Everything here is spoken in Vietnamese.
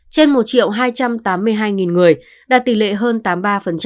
trên một hai trăm tám mươi hai người đạt tỷ lệ hơn tám mươi ba